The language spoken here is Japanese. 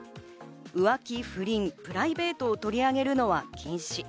浮気、不倫、プライベートを取り上げるのは禁止。